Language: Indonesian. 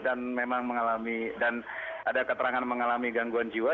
dan memang mengalami dan ada keterangan mengalami gangguan jiwa